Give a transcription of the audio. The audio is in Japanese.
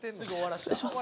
失礼します。